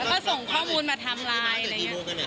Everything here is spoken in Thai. แล้วก็ส่งข้อมูลมาทำไลน์อะไรอย่างนี้